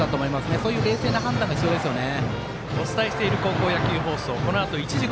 そういう冷静な判断が必要ですね。